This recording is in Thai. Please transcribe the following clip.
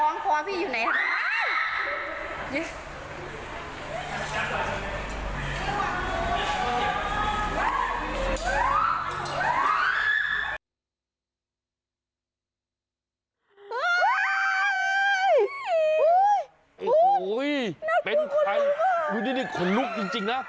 โอ้โหน่ากลัวขนตรงนี่ดิขนลุกจริงนะ